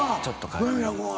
間宮君は？